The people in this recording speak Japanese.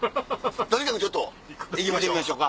とにかくちょっと行きましょう。